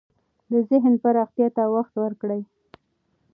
د ذهن پراختیا ته وخت ورکړئ.